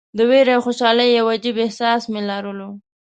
د ویرې او خوشالۍ یو عجیب احساس مې لرلو.